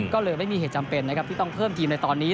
ก็เลยไม่มีเหตุจำเป็นนะครับที่ต้องเพิ่มทีมในตอนนี้